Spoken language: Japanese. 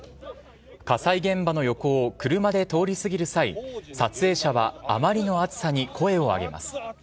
火災現場の横を車で通り過ぎる際、撮影者はあまりの熱さに声を上げます。